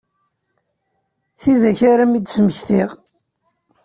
Tidak ara m-id-smektiɣ.